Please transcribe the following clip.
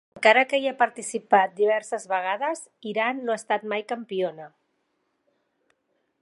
Encara que hi ha participat diverses vegades, Iran no ha estat mai campiona.